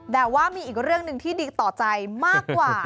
แต่ว่ามีอีกเรื่องหนึ่งที่ดีต่อใจมากกว่า